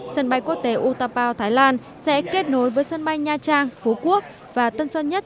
sân bay quốc tế utapo thái lan sẽ kết nối với sân bay nha trang phú quốc và tân sơn nhất